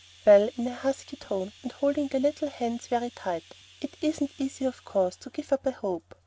"Well," in a husky tone, and holding the little hands very tight, "it isn't easy, of course, to give up a hope.